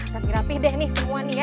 rapi rapih deh nih semua nih ya